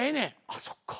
あっそっか。